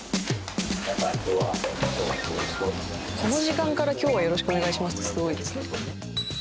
この時間から「今日はよろしくお願いします」ってすごいですね。